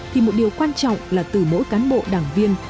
thì một điều quan trọng là từ mỗi cán bộ đảng viên